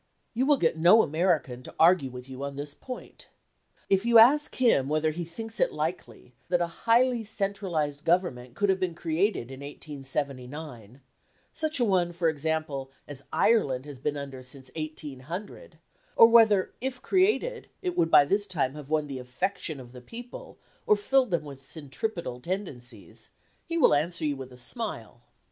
You will get no American to argue with you on this point. If you ask him whether he thinks it likely that a highly centralized government could have been created in 1879 such a one, for example, as Ireland has been under since 1800 or whether if created it would by this time have won the affection of the people, or filled them with centripetal tendencies, he will answer you with a smile.